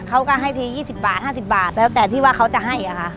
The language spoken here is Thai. เขาก็ให้ที๒๐๕๐บาทแล้วว่าหลังจากว่าเขาจะให้อะคะ